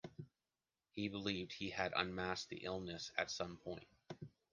He believed he had unmasked the illness at some point.